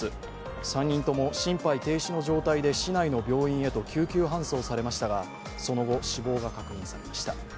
３人とも心肺停止の状態で市内の病院へ救急搬送されましたが、その後、死亡が確認されました。